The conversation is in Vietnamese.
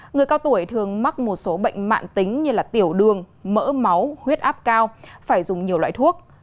người cao tuổi thường mắc một số bệnh mạng tính như tiểu đường mỡ máu huyết áp cao phải dùng nhiều loại thuốc